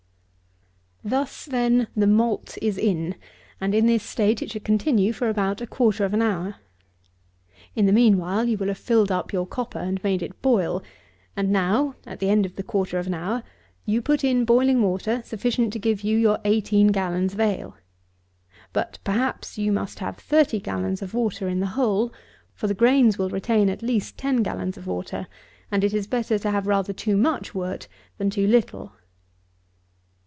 Thus, then, the malt is in; and in this state it should continue for about a quarter of an hour. In the mean while you will have filled up your copper, and made it boil; and now (at the end of the quarter of an hour) you put in boiling water sufficient to give you your eighteen gallons of ale. But, perhaps, you must have thirty gallons of water in the whole; for the grains will retain at least ten gallons of water; and it is better to have rather too much wort than too little.